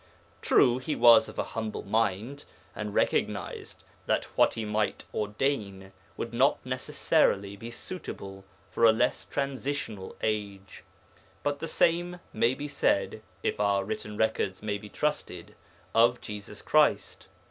True, he was of a humble mind, and recognized that what he might ordain would not necessarily be suitable for a less transitional age, but the same may be said if our written records may be trusted of Jesus Christ.